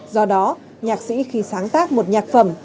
do đó nhạc sĩ khi sáng tác một nhạc phẩm